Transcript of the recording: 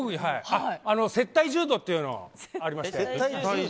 接待柔道というのがありまして。